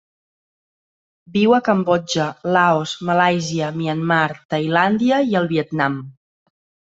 Viu a Cambodja, Laos, Malàisia, Myanmar, Tailàndia i el Vietnam.